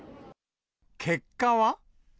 結果は。